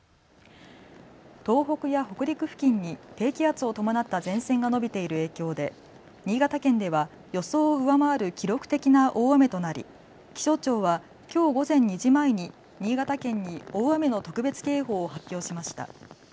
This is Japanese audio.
東北や北陸付近に低気圧を伴った前線が延びている影響で新潟県では予想を上回る記録的な大雨となり気象庁は今日午前２時前に新潟県に、大雨の特別警報を発表しました。